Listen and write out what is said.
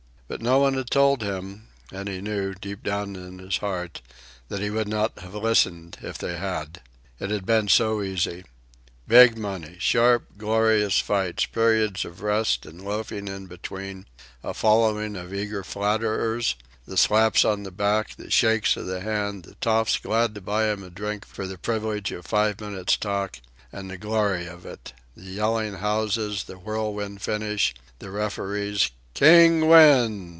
But no one had told him, and he knew, deep down in his heart, that he would not have listened if they had. It had been so easy. Big money sharp, glorious fights periods of rest and loafing in between a following of eager flatterers, the slaps on the back, the shakes of the hand, the toffs glad to buy him a drink for the privilege of five minutes' talk and the glory of it, the yelling houses, the whirlwind finish, the referee's "King wins!"